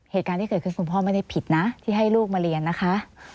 เหตุการณ์ที่เกิดขึ้นคุณพ่อไม่ได้ผิดนะที่ให้ลูกมาเรียนนะคะ